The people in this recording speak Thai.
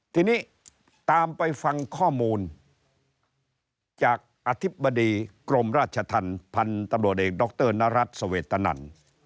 ทีนี้ตามไปฟังข้อมูลจากอธิบดีกรมราชธรรมพันธุ์ตำรวจเอกดรนรัฐสเวตนัน